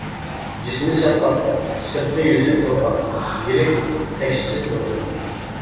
جىسمى سەل قاتتىق، سىرتقى يۈزى قۇرغاق، يىرىك تەكشىسىز بولىدۇ.